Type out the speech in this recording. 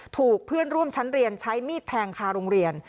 ถูกเพื่อนร่วมชั้นเรียนใช้มีดแทงคาโรงเรียน